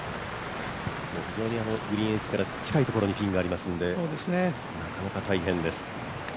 非常にグリーンエッジから近いところにピンがあるのでなかなか大変です。